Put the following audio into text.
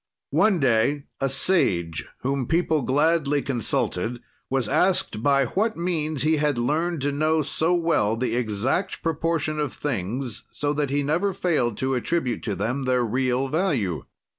"One day, a sage, whom people gladly consulted, was asked by what means he had learned to know so well the exact proportion of things, so that he never failed to attribute to them their real value.